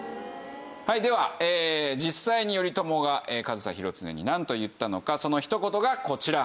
では実際に頼朝が上総広常になんと言ったのかそのひと言がこちら。